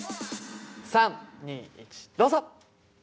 ３２１どうぞ！